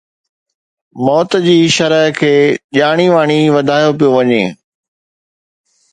موت جي شرح کي ڄاڻي واڻي وڌايو پيو وڃي